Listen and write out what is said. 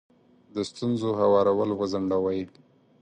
د ستونزو هوارول وځنډوئ.